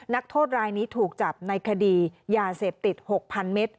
นักโทษรายนี้ถูกจับในคดียาเสพติด๖๐๐๐เมตร